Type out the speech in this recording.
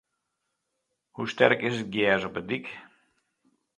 Hoe sterk is it gjers op de dyk?